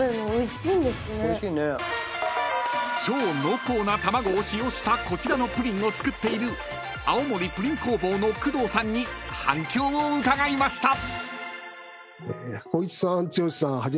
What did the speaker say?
［超濃厚な卵を使用したこちらのプリンを作っているあおもりプリン工房の工藤さんに反響を伺いました］